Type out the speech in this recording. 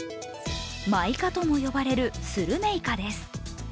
マイカとも呼ばれるスルメイカです。